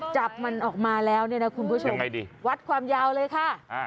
จับมันออกมาแล้วเนี่ยนะคุณผู้ชมวัดความยาวเลยค่ะ